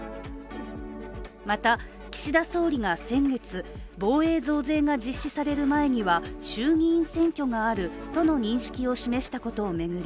また岸田総理が先月防衛増税が実施される前には衆議院選挙があるとの認識を示したことを巡り